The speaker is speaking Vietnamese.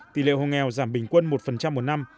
tỷ lệ hồ nghèo giảm bình quân một một năm